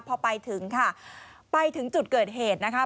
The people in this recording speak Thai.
พอไปถึงค่ะไปถึงจุดเกิดเหตุนะคะ